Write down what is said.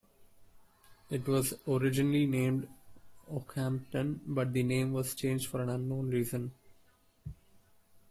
It was originally named Oakhampton, but the name was changed for an unknown reason.